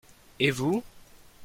Et vous ?